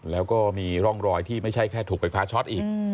แล้วก็มีร่องรอยที่ไม่ใช่แค่ถูกไฟฟ้าช็อตอีก